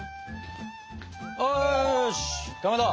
よしかまど。